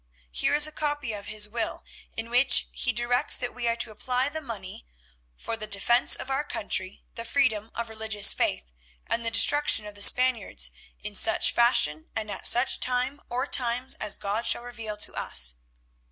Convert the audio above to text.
Here is a copy of his will, in which he directs that we are to apply the money 'for the defence of our country, the freedom of religious Faith, and the destruction of the Spaniards in such fashion and at such time or times as God shall reveal to us.